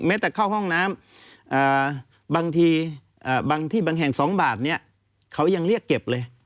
แม้แต่เข้าห้องน้ำบางที่บางแห่ง๒บาทเขายังเรียกเก็บเลย